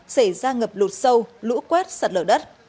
xảy ra ngập lụt sâu lũ quét sạt lở đất